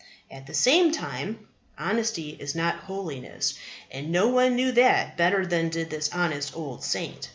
At the same time, honesty is not holiness; and no one knew that better than did this honest old saint.